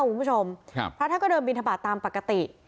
คุณผู้ชมครับพระท่านก็เดินบินทบาทตามปกติ